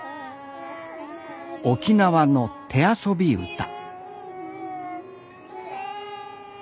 沖縄の手遊び歌。